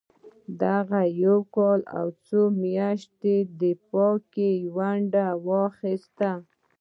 دغه یو کال او څو میاشتني دفاع کې یې ونډه واخیسته.